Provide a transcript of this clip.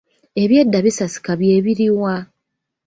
Ebyedda bisasika bye biruwa?